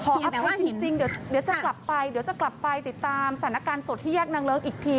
ขออัพให้จริงเดี๋ยวจะกลับไปติดตามสถานการณ์สดที่แยกนางเลิกอีกที